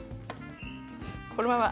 このまま。